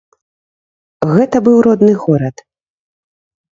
Гэта быў родны горад.